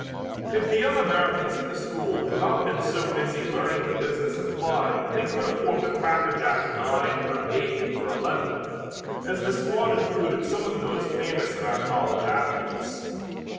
If the young Americans at the school had not been so busy learning the business of flying they could have formed a cracker jack nine or eight or eleven, as the squad included some of the most famous of our college athletes.